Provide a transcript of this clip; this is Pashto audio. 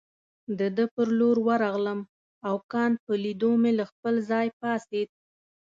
د ده پر لور ورغلم او کانت په لیدو مې له خپل ځای پاڅېد.